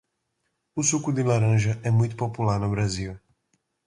O suco de laranja é muito popular no Brasil.